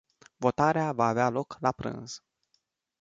Votarea va avea loc la prânz.